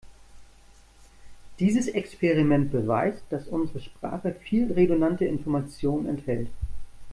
Dieses Experiment beweist, dass unsere Sprache viel redundante Information enthält.